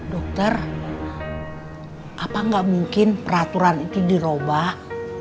dokter apa nggak mungkin peraturan itu dirobah